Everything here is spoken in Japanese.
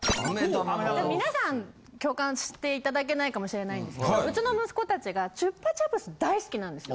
・皆さん共感して頂けないかもしれないんですけどうちの息子たちがチュッパチャプス大好きなんですよ。